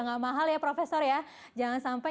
nggak mahal ya profesor ya jangan sampai